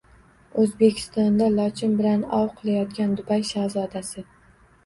O‘zbekistonda lochin bilan ov qilayotgan Dubay shahzodasi